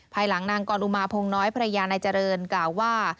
ภายหลังนางกรุมาพงน้อยภรรยานายเจริญกล่าวว่า